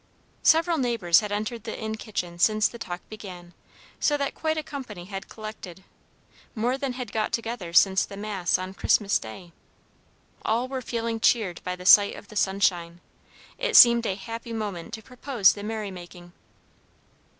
Several neighbors had entered the inn kitchen since the talk began, so that quite a company had collected, more than had got together since the mass on Christmas Day. All were feeling cheered by the sight of the sunshine; it seemed a happy moment to propose the merrymaking.